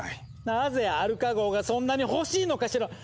なぜアルカ号がそんなに欲しいのかしら？